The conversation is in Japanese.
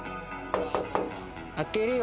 開けるよ